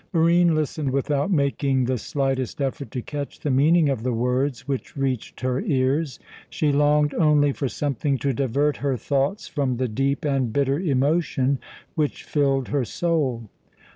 Barine listened without making the slightest effort to catch the meaning of the words which reached her ears. She longed only for something to divert her thoughts from the deep and bitter emotion which filled her soul.